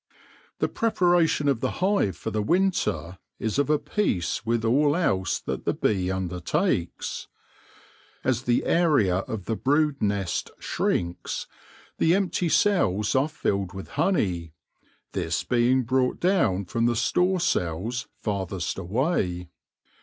The preparation of the hive for the winter is of a piece with all else that the bee undertakes. As the area of the brood nest shrinks, the empty cells are filled with honey, this being brought down from the store cells farthest away.